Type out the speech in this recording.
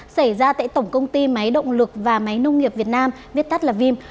xảy ra tại tổng công ty máy động lực và máy nông nghiệp việt nam viết tắt là vim